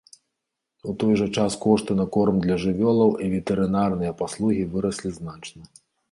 У той жа час кошты на корм для жывёлаў і ветэрынарныя паслугі выраслі значна.